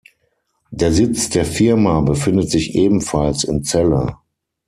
Der Sitz der Firma befindet sich ebenfalls in Celle.